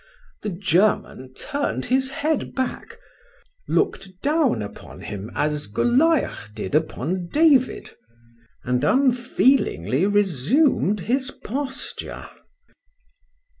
—The German turn'd his head back, looked down upon him as Goliah did upon David,—and unfeelingly resumed his posture.